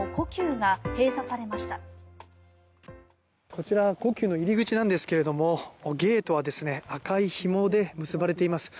こちら故宮の入り口なんですけれどもゲートは赤いひもで結ばれています。